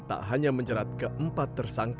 tak hanya menjerat keempat tersangka